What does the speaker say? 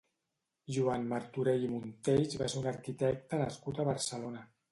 Joan Martorell i Montells va ser un arquitecte nascut a Barcelona.